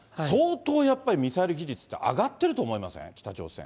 相当やっぱりミサイル技術って上がってると思いません？